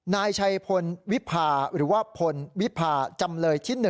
นายชัยพลวิพาหรือว่าพลวิพาจำเลยที่๑